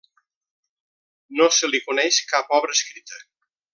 No se li coneix cap obra escrita.